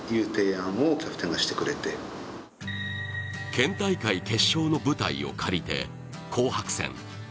県大会決勝の舞台を借りて紅白戦。